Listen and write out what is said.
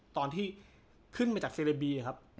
ตอนที่ขึ้นมาจากเซเลบีครับ